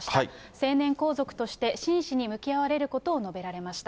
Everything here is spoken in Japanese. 成年皇族として真摯に向き合われることを述べられました。